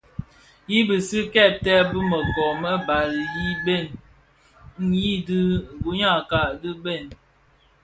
I bisi kèbtè bi mëkoo më bali yi bheg yidhi guňakka di bë.